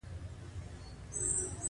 نور دومره هوښيار نه دي